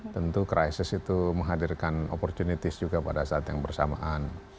tentu krisis itu menghadirkan opportunity juga pada saat yang bersamaan